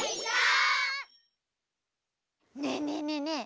ねえねえねえねえ